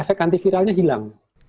efek antiviralnya hilang